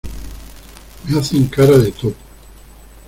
me hacen cara de topo.